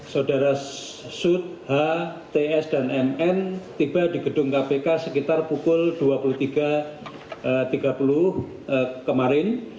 saudara sut h ts dan mn tiba di gedung kpk sekitar pukul dua puluh tiga tiga puluh kemarin